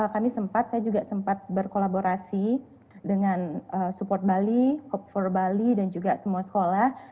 kami sempat saya juga sempat berkolaborasi dengan support bali hopfor bali dan juga semua sekolah